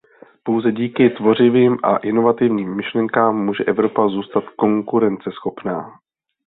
Pouze díky tvořivým a inovativním myšlenkám může Evropa zůstat konkurenceschopná.